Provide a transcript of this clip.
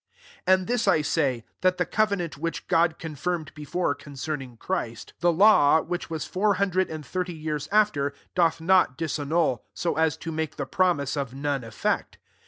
17 And this I say, that the covenant which God confirmed before [^concerning Christ,^ thi GALATIANS IV. 309 aw, which was fouf hundred md ttiirty years after, doth not Ssannul, so as to make the iromise of none effect.